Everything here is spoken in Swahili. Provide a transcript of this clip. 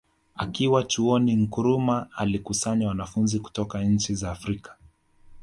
Akiwa Chuoni Nkrumah alikusanya wanafunzi kutoka nchi za Afrika